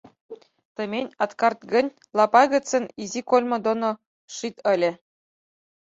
Тымень ат кард гӹнь, лапа гӹцын изи кольмы доно шит ыльы.